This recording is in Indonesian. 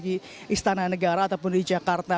di istana negara ataupun di jakarta